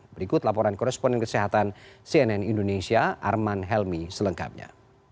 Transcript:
berikut laporan koresponen kesehatan cnn indonesia arman helmi selengkapnya